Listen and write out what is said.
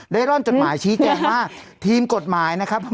ร่อนจดหมายชี้แจงว่าทีมกฎหมายนะครับ